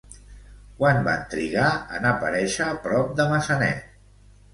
Quant van trigar en aparèixer prop de Massanet?